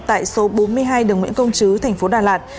tại số bốn mươi hai đường nguyễn công chứ thành phố đà lạt